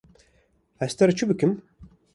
Ez ji te re çi bikirim.